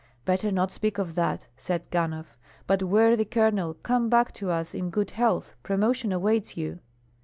"Better not speak of that," said Ganhoff. "But, worthy Colonel, come back to us in good health; promotion awaits you."